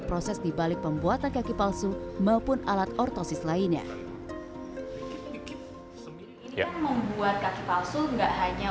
proses dibalik pembuatan kaki palsu maupun alat ortosis lainnya membuat kaki palsu enggak hanya